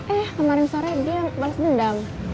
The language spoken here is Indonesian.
eh kemarin sore dia balas dendam